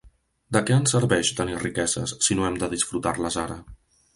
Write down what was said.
De què ens serveix tenir riqueses, si no hem de disfrutar-les ara?